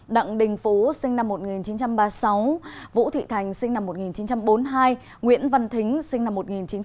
đặng đình phú sinh năm một nghìn chín trăm ba mươi sáu vũ thị thành sinh năm một nghìn chín trăm bốn mươi hai nguyễn văn thính sinh năm một nghìn chín trăm bảy mươi